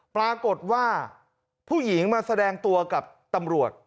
ปรากฏว่าผู้หญิงมาแสดงตัวกับตำรวจ